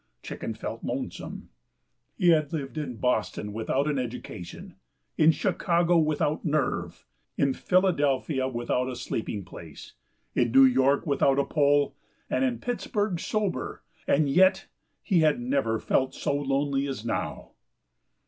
Chicken felt lonesome. He had lived in Boston without an education, in Chicago without nerve, in Philadelphia without a sleeping place, in New York without a pull, and in Pittsburg sober, and yet he had never felt so lonely as now.